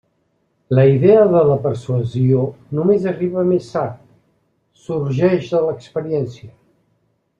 La idea de la persuasió només arriba més tard; sorgeix de l'experiència.